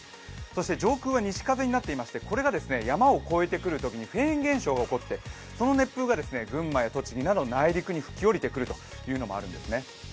そして上空は西風になっていまして、これが山を越えてくるときにフェーン現象が起こってその熱風が群馬や栃木など内陸に吹きおりてくるということがあるんですね。